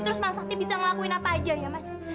terus masakti bisa ngelakuin apa aja ya mas